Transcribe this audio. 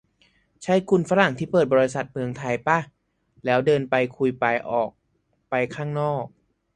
ใช่คุณฝรั่งที่เปิดบริษัทเมืองไทยป่ะ แล้วเดินไปคุยไป ออกไปทางข้างนอก